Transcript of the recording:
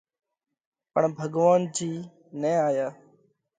پڻ ڀڳوونَ جِي نہ آيا۔